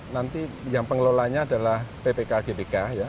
nanti yang pengelolanya adalah ppk gpk ya